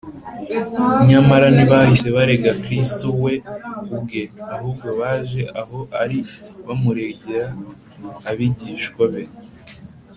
nyamara ntibahise barega kristo we ubwe, ahubwo baje aho ari bamuregera abigishwa be